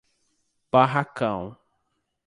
Barracão